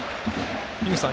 井口さん